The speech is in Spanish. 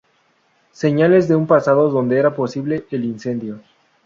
Señales de un pasado donde era posible el incendio.